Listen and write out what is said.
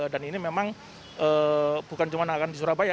dan ini memang bukan cuma di surabaya